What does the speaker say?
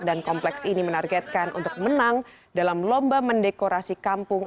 dan kompleks ini menargetkan untuk menang dalam lomba mendekorasi kampung